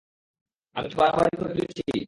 আমি কি বাড়াবাড়ি করে ফেলেছি?